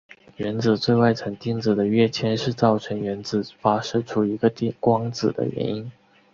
原子最外层电子的跃迁是造成原子发射出一个光子的原因。